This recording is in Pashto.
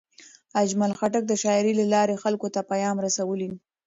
اجمل خټک د شاعرۍ له لارې خلکو ته پیام رسولی.